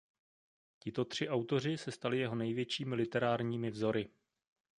Tito tři autoři se stali jeho největšími literárními vzory.